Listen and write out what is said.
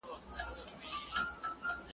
ولي دومره یې بې وسه چي دي لاس نه را غځيږي `